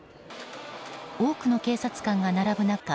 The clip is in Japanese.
多くの警察官が並ぶ中